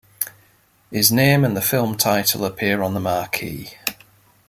His name and the film title appear on the marquee.